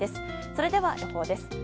それでは、予報です。